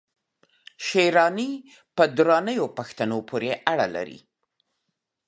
شېراني د درانیو پښتنو پوري اړه لري